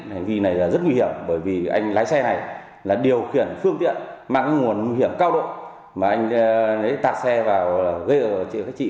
hành vi này là rất nguy hiểm bởi vì anh lái xe này là điều khiển phương tiện mang nguồn nguy hiểm cao độ mà anh tạc xe vào gây cho các chị